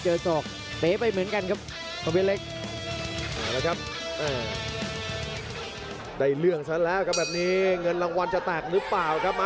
เออต้องเลยครับ